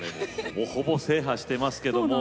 ほぼほぼ制覇してますけども。